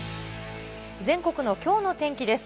全国のきょうの天気です。